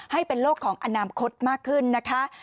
ให้เป็นโลกของอนาคตมากขึ้นนะคะ